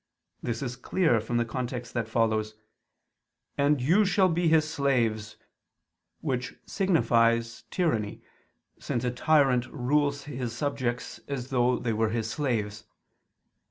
This is clear from the context that follows: "And you shall be his slaves [Douay: 'servants']": which is significative of tyranny, since a tyrant rules is subjects as though they were his slaves.